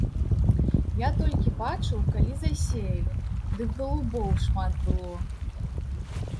Я толькі бачыў, калі засеялі, дык галубоў шмат было.